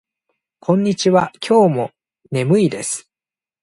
こんにちは。今日も眠いです。